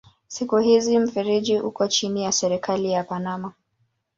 Siku hizi mfereji uko chini ya serikali ya Panama.